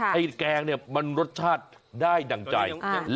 แกงเนี่ยมันรสชาติได้ดั่งใจ